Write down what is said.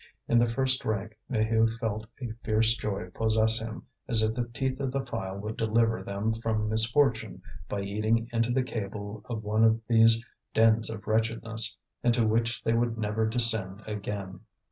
In the first rank Maheu felt a fierce joy possess him, as if the teeth of the file would deliver them from misfortune by eating into the cable of one of these dens of wretchedness, into which they would never descend again.